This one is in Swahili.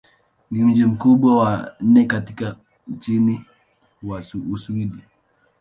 Ni mji mkubwa wa nne katika nchi wa Uswidi.